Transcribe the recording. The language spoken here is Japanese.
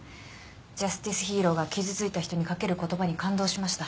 ジャスティスヒーローが傷ついた人にかける言葉に感動しました。